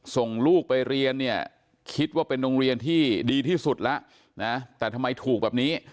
ส่งลูกไปเรียนเนี่ยคิดว่าเป็นโรงเรียนที่ดีที่สุดแล้วนะแต่ทำไมถูกแบบนี้